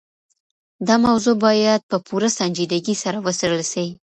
دا موضوع بايد په پوره سنجيدګۍ سره وڅېړل سي.